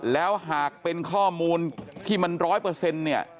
แล้วหากเป็นข้อมูลที่มันร้อยเปอร์เซ็นต์เนี่ย